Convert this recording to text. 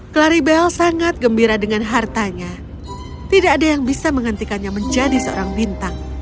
claribel sangat gembira dengan hartanya tidak ada yang bisa menghentikannya menjadi seorang bintang